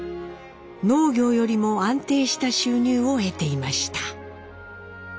農業よりも安定した収入を得ていました。